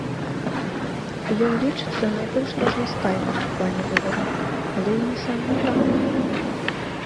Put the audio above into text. Ён лічыцца найбольш разнастайным у плане выбару, але і не самым танным.